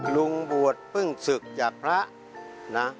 ลุงบวชเพิ่งศึกจากพระนะ